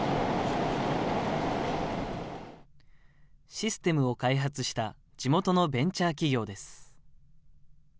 システムを開発した地元のベンチャー企業です。